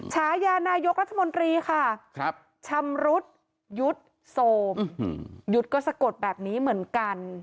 ฉายานายกรัฐมนตรีค่ะชำรุดยุดโซมหยุดก็สะกดแบบนี้เหมือนกัน